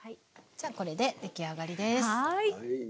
じゃあこれで出来上がりです。